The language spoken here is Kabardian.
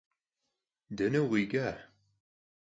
Dene vukhiç'a?